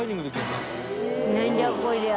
なんじゃこりゃ。